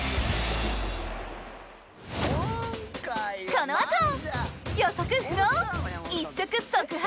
このあと予測不能一触即発！